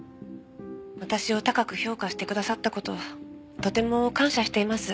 私を高く評価してくださった事とても感謝しています。